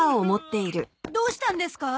どうしたんですか？